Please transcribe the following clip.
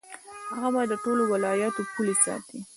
هغه به د ټولو ولایاتو پولې ساتي.